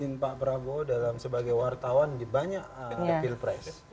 kamu kan ikutin pak prabowo dalam sebagai wartawan di banyak pilpres